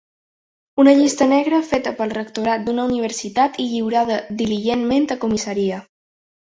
Una llista negra feta pel rectorat d’una universitat i lliurada diligentment a comissaria.